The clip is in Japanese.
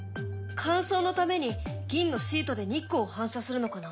乾燥のために銀のシートで日光を反射するのかな？